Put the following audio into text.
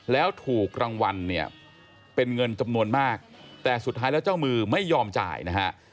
แล้วถูกรางวัลเนี่ยเป็นเงินจำนวนมากแต่สุดท้ายแล้วเจ้ามือไม่ยอมจ่ายนะฮะ